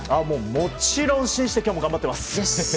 もちろん信じて今日も頑張ってます！